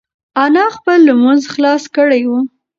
انا خپل لمونځ خلاص کړی و.